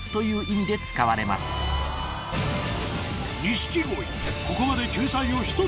錦鯉